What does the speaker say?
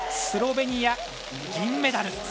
スロベニア、銀メダル。